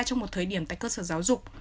trong một thời điểm tại cơ sở giáo dục